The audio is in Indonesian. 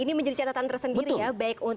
ini menjadi catatan tersendiri ya